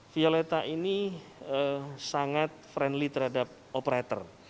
violeta ini sangat friendly terhadap operator